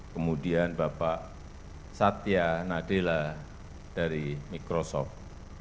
kemudian bapak satya nadela dari microsoft